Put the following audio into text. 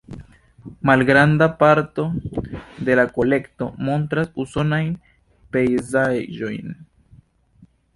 Malgranda parto de la kolekto montras usonajn pejzaĝojn.